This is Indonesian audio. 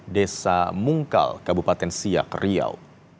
desa mungkal kabupaten siak riau